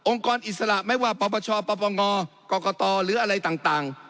กรอิสระไม่ว่าปปชปปงกรกตหรืออะไรต่าง